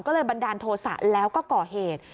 ก็เลยบันดาลโทษะแล้วก็ก่อเหตุ